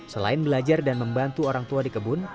selain belajar dan membantu orang tua di kebun